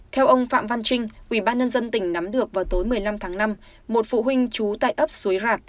theo ông phạm văn trinh ủy ban nhân dân tỉnh nắm được vào tối một mươi năm tháng năm một phụ huynh chú tại ấp suối rạt